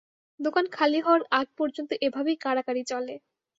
দোকান খালি হওয়ার আগ পর্যন্ত এভাবেই কাড়াকাড়ি চলে!